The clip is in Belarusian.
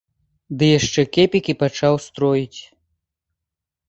Ды яшчэ кепікі пачаў строіць.